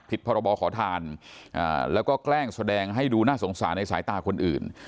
พรบขอทานแล้วก็แกล้งแสดงให้ดูน่าสงสารในสายตาคนอื่น